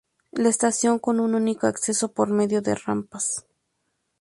La estación con un único acceso, por medio de rampas.